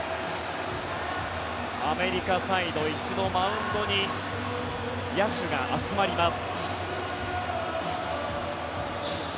アメリカサイド、一度マウンドに野手が集まります。